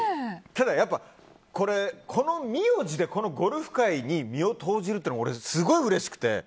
ただ、やっぱりこの名字でこのゴルフ界に身を投じるというのがすごいうれしくて。